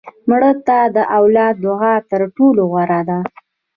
مړه ته د اولاد دعا تر ټولو غوره ده